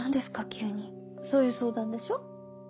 急にそういう相談でしょ？